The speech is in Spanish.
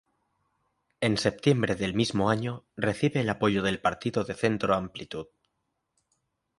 En septiembre del mismo año recibe el apoyo del partido de centro Amplitud.